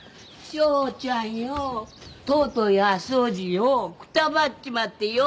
正ちゃんよとうとう安おじよくたばっちまってよ。